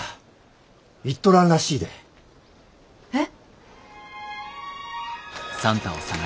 えっ？